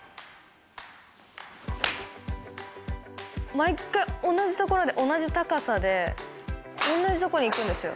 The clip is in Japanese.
毎回同じところで同じ高さで同じとこにいくんですよ。